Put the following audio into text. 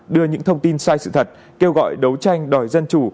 đưa những thông tin sai sự thật kêu gọi đấu tranh đòi dân chủ